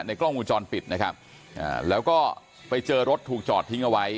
กล้องวงจรปิดนะครับแล้วก็ไปเจอรถถูกจอดทิ้งเอาไว้